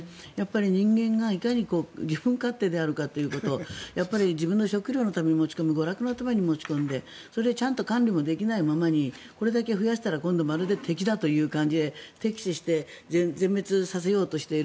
人間がいかに自分勝手であるかということ自分の食料のために持ち込んで娯楽のために持ち込んで管理ができないままでこれだけ増やしたらまるで敵だというように敵視して全滅させようとしている。